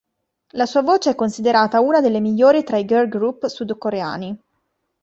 La sua voce è considerata una delle migliori tra i girl group sudcoreani.